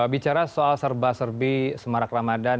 bicara soal serba serbi semarak ramadan